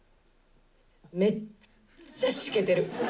めっちゃしけてる！